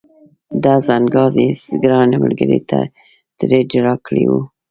ډز انګاز یې ګران ملګري ترې جلا کړی و.